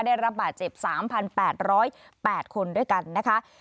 ได้รับบาดเจ็บ๓๘๐๘คนด้วยกันนะคะ